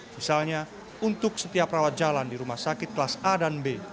misalnya untuk setiap rawat jalan di rumah sakit kelas a dan b